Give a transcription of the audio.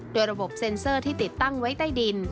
โดยระบบเซ็นเซอร์ที่ติดตั้งไว้ใต้ดิน